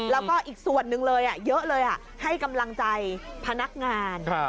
แล้วก็อีกส่วนหนึ่งเลยเยอะเลยให้กำลังใจพนักงาน